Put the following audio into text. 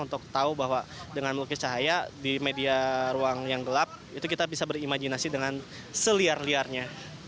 untuk tahu bahwa dengan melukis cahaya di media ruang yang gelap itu kita bisa berimajinasi dengan seliar liarnya